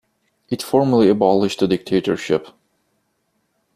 It formally abolished the Dictatorship.